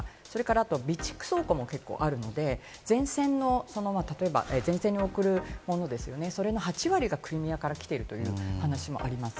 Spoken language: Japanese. また備蓄倉庫も結構あるので、前線に送るものですね、その８割がクリミアから来ているという話もあります。